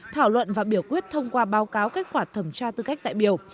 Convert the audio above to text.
thảo luận và biểu quyết thông qua báo cáo kết quả thẩm tra tư cách đại biểu